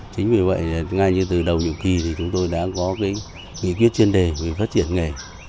chính vì vậy ngay như từ đầu nhiều kỳ chúng tôi đã có nghị quyết chuyên đề về phát triển nghề